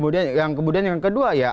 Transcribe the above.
dan kemudian yang kedua ya